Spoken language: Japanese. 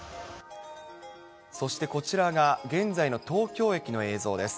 そしてこちらが、現在の東京駅の映像です。